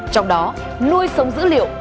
trong đó nuôi sống dữ liệu